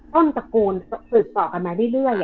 ต้นตระกูลสืบต่อกันมาเรื่อย